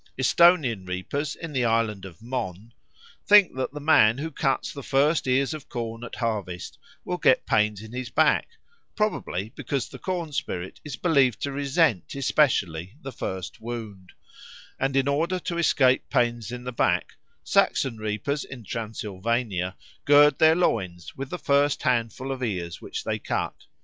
Esthonian reapers of the island of Mon think that the man who cuts the first ears of corn at harvest will get pains in his back, probably because the corn spirit is believed to resent especially the first wound; and, in order to escape pains in the back, Saxon reapers in Transylvania gird their loins with the first handful of ears which they cut.